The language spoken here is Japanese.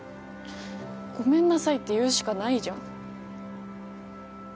ごめんなさいって言うしかないじゃん。